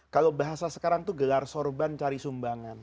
kalau bahasa sekarang itu gelar sorban cari sumbangan